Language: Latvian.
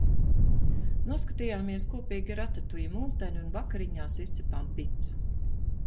Noskatījāmies kopīgi Ratatuja multeni un vakariņās izcepām picu.